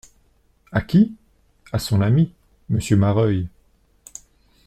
A qui ? A son ami, Monsieur Mareuil.